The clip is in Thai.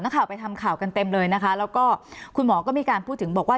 ข่าวไปทำข่าวกันเต็มเลยนะคะแล้วก็คุณหมอก็มีการพูดถึงบอกว่า